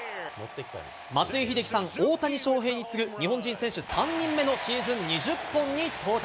松井秀喜さん、大谷翔平に次ぐ、日本人選手３人目のシーズン２０本に到達。